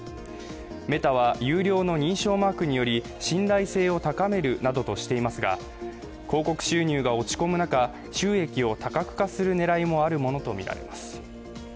メタは有料の認証マークにより、信頼性を高めるなどとしていますが広告収入が落ち込む中収益を多角化する狙いもあるものとみられます。